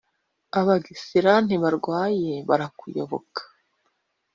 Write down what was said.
Abagesera ntibarwanye barakuyoboka.